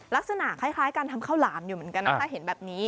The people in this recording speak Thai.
ลักษณะคล้ายการทำข้าวหลามอยู่เหมือนกันนะถ้าเห็นแบบนี้